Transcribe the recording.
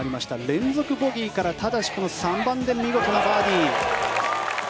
連続ボギーからただし、この３番で見事なバーディー。